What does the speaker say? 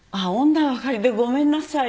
女ばかりでごめんなさいね。